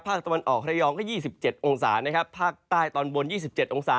ภาคตะวันออกไทยยองก็๒๗องศาภาคใต้ตอนบน๒๗องศา